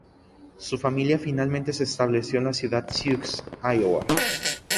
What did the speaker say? Su familia finalmente se estableció en la Ciudad Siux, Iowa.